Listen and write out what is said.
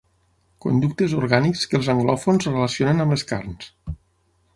Conductes orgànics que els anglòfons relacionen amb les carns.